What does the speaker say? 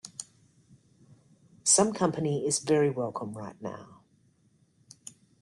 Some company is very welcome right now.